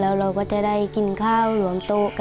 แล้วเราก็จะได้กินข้าวตรงปลอมตัวกันครับ